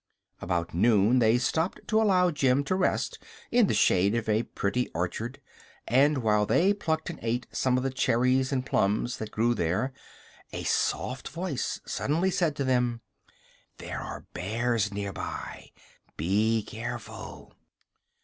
About noon they stopped to allow Jim to rest in the shade of a pretty orchard, and while they plucked and ate some of the cherries and plums that grew there a soft voice suddenly said to them: "There are bears near by. Be careful."